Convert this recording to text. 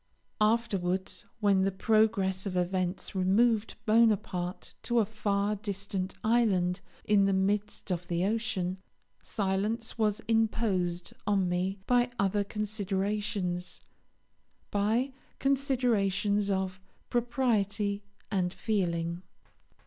Afterwards, when the progress of events removed Bonaparte to a far distant island in the midst of the ocean, silence was imposed on me by other considerations, by considerations of propriety and feeling.